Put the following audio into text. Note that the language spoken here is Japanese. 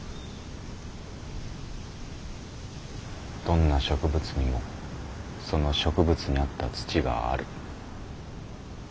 どんな植物にもその植物に合った土がある。